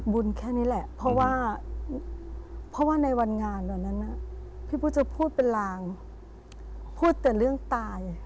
บุญแค่นี้แหละเพราะว่าในวันงานตอนนั้นน่ะพี่ปุ๊ะจะพูดเป็นรางพูดแต่เรื่องตาย